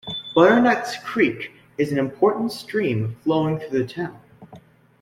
Butternuts Creek is an important stream flowing through the town.